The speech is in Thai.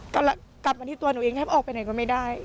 ก็กลับมาที่ตัวหนูเองแทบออกไปไหนก็ไม่ได้